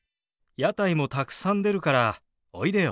屋台もたくさん出るからおいでよ。